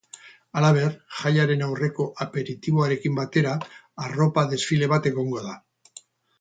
Halaber, jaiaren aurreko aperitiboarekin batera, arropa desfile bat egongo da.